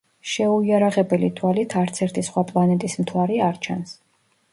შეუიარაღებელი თვალით არც ერთი სხვა პლანეტის მთვარე არ ჩანს.